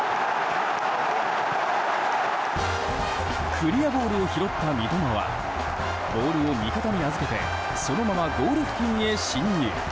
クリアボールを拾った三笘はボールを味方に預けてそのままゴール付近へ進入。